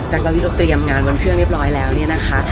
จากวันนี้เราเตรียมงานบนเครื่องเรียบร้อยแล้วเนี่ยนะคะ